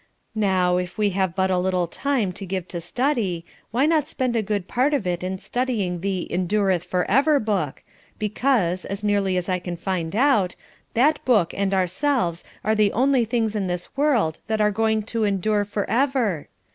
Now, if we have but a little time to give to study, why not spend a good part of it in studying the 'endureth for ever' book, because, as nearly as I can find out, that book and ourselves are the only things in this world that are going to endure for ever?